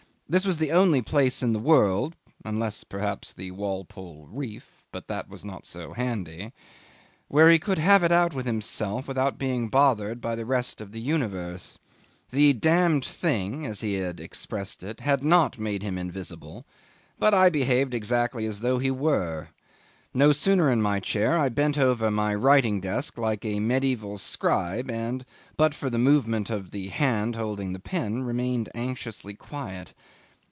This was the only place in the world (unless, perhaps, the Walpole Reef but that was not so handy) where he could have it out with himself without being bothered by the rest of the universe. The damned thing as he had expressed it had not made him invisible, but I behaved exactly as though he were. No sooner in my chair I bent over my writing desk like a medieval scribe, and, but for the movement of the hand holding the pen, remained anxiously quiet.